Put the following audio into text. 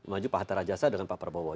maju pahata rajasa dengan pak prabowo